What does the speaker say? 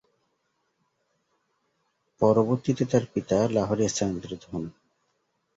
পরবর্তীতে তার পিতা লাহোর স্থানান্তরিত হন।